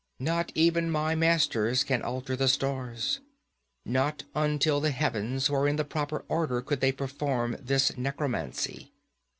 Not even my masters can alter the stars. Not until the heavens were in the proper order could they perform this necromancy.'